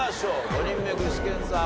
５人目具志堅さん